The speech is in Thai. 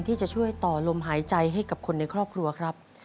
ที่จะช่วยต่อลมหายใจให้กับคนในครอบครัวครับ